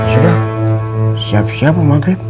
sudah siap siap maghrib